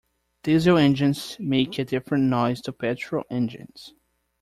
Diesel engines make a different noise to petrol engines.